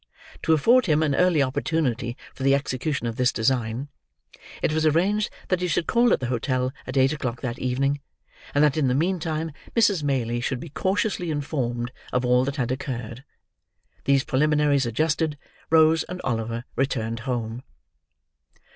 To afford him an early opportunity for the execution of this design, it was arranged that he should call at the hotel at eight o'clock that evening, and that in the meantime Mrs. Maylie should be cautiously informed of all that had occurred. These preliminaries adjusted, Rose and Oliver returned home.